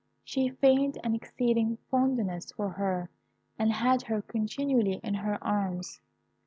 She feigned an exceeding fondness for her, and had her continually in her arms.